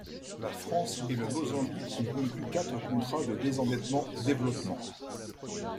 La France et le Mozambique ont conclu quatre contrats de désendettement-développement.